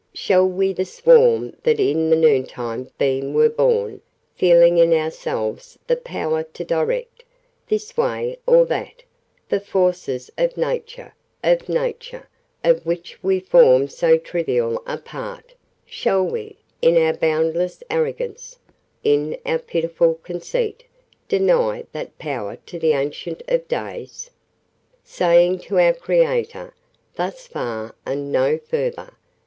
Shall we 'the swarm that in the noontide beam were born,' feeling in ourselves the power to direct, this way or that, the forces of Nature of Nature, of which we form so trivial a part shall we, in our boundless arrogance, in our pitiful conceit, deny that power to the Ancient of Days? Saying, to our Creator, 'Thus far and no further.